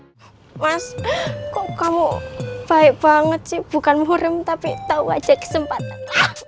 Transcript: hai mas kok kamu baik banget sih bukan mureem tapi tahu aja kesempatan